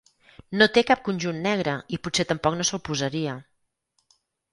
No té cap conjunt negre i potser tampoc no se'l posaria.